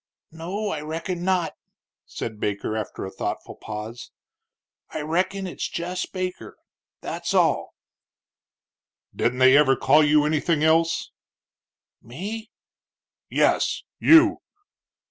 "No, I reckin not," said Baker, after a thoughtful pause. "I reckin it's jess Baker that's all." "Didn't they ever call you anything else?" "Me?" "Yes, you."